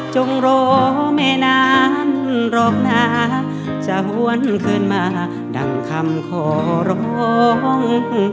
จงรอไม่นานรอบหน้าจะหวั่นเกินมาดังคำขอร้อง